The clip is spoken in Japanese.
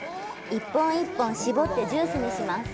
１本１本、絞ってジュースにします。